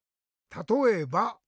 「たとえば？」。